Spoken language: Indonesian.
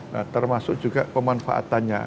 nah termasuk juga pemanfaatannya